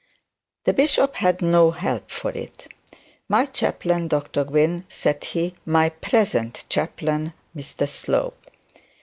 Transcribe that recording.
The bishop had no help for it. 'My chaplain, Dr Gwynne,' said he; 'my present chaplain, Mr Slope.'